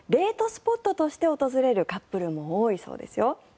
スポットして訪れるカップルも多いそうですよ。